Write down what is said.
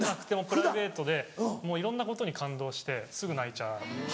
プライベートでいろんなことに感動してすぐ泣いちゃう。